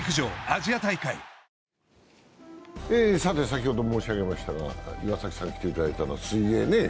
先ほど申し上げましたが、岩崎さんが来ていただいたのは水泳ね。